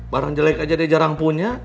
barang jelek aja dia jarang punya